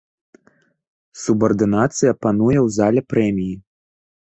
Субардынацыя пануе ў зале прэміі.